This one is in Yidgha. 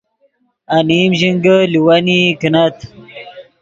انیم ژینگے لیوینئی کینت